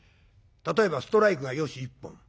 例えばストライクが「よし一本」